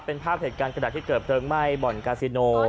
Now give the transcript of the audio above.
เป็นภาพเหตุการณ์กระดาษที่เกิดเพลิงไหม้บ่อนกาซิโน